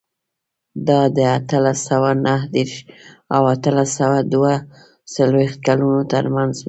دا د اتلس سوه نهه دېرش او اتلس سوه دوه څلوېښت کلونو ترمنځ و.